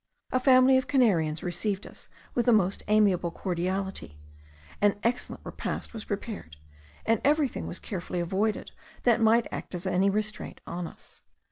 A family of Canarians received us with the most amiable cordiality; an excellent repast was prepared, and everything was carefully avoided that might act as any restraint on us.